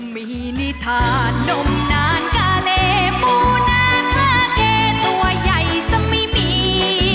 มีนิทานมนานกาเลปูนาคาเกตัวใหญ่ซะไม่มี